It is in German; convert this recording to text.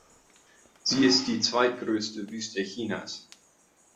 Sie ist die zweitgrößte Wüste Chinas.